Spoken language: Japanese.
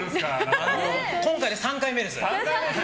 今回で３回目です。